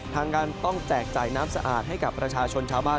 ทางการต้องแจกจ่ายน้ำสะอาดให้กับประชาชนชาวบ้าน